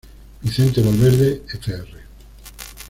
Vicente Valverde, fr.